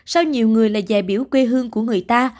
sao nhiều người lại dạy biểu quê hương của người ta